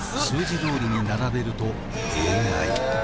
「数字どおりに並べるとえーアい」